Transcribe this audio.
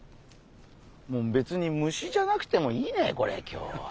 もう別に虫じゃなくてもいいねこれ今日は。